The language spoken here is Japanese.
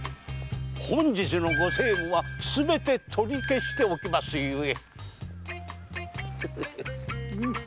本日のご政務はすべて取り消しておきますゆえ。